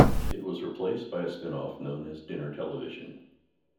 It was replaced by a spin-off known as Dinner Television.